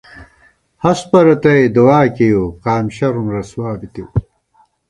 ہست پرَتئی دووا کېیؤ ، قام شرَم رسوا بِتېؤ